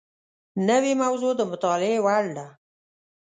نوې موضوع د مطالعې وړ ده